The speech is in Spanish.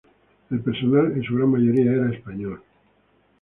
El personal en su gran mayoría era español.